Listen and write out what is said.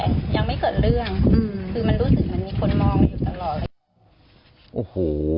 คือมันรู้สึกมันมีคนมองอยู่ตลอด